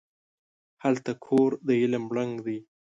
هلته کور د علم ړنګ دی